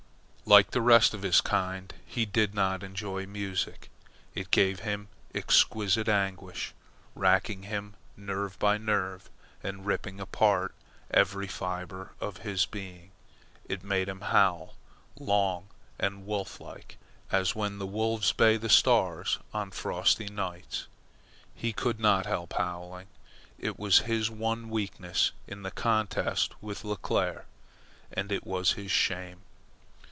Like the rest of his kind, he did not enjoy music. It gave him exquisite anguish, racking him nerve by nerve, and ripping apart every fibre of his being. It made him howl, long and wolf life, as when the wolves bay the stars on frosty nights. He could not help howling. It was his one weakness in the contest with Leclere, and it was his shame.